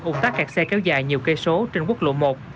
ủng tác các xe kéo dài nhiều cây số trên quốc lộ một